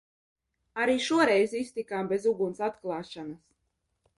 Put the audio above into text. Arī šo reizi iztikām bez uguns atklāšanas.